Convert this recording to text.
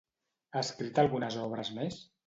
Ha escrit algunes obres més?